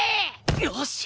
よし！